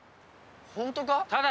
ホントか？